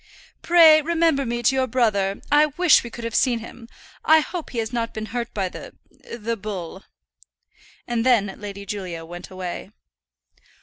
"Pray remember me to your brother. I wish we could have seen him; I hope he has not been hurt by the the bull." And then Lady Julia went her way.